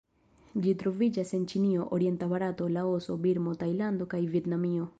Ĝi troviĝas en Ĉinio, orienta Barato, Laoso, Birmo, Tajlando kaj Vjetnamio.